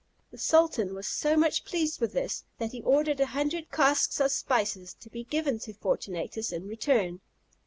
The sultan was so much pleased with this, that he ordered a hundred casks of spices to be given to Fortunatus in return.